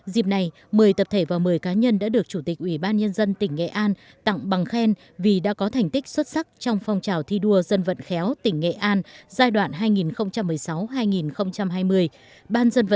dịp này một mươi tập thể và một mươi cá nhân đã được chủ tịch ủy ban nhân dân tỉnh nghệ an tặng bằng khen vì đã có thành tích xuất sắc trong phong trào thi đua dân vận khéo tỉnh nghệ an giai đoạn hai nghìn một mươi sáu hai nghìn hai mươi